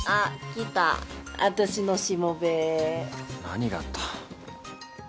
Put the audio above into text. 何があった？